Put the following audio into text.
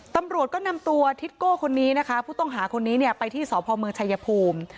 ตำรวจก็นำตัวทิโก้คนนี้นะคะผู้ต้องหาคนนี้เนี่ยไปที่สพเมืองชายภูมิ